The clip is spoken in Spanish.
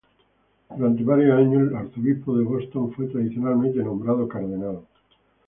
Durante varios años, el arzobispo de Boston fue tradicionalmente nombrado cardenal.